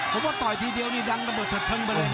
ผมว่าต้อยทีเดียว๗๒๐เราพึ่งละน้องรถตั้งไปเลย